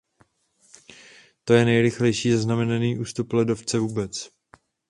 To je nejrychlejší zaznamenaný ústup ledovce vůbec.